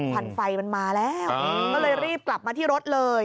ควันไฟมันมาแล้วก็เลยรีบกลับมาที่รถเลย